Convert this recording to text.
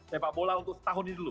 sepak bola untuk setahun ini dulu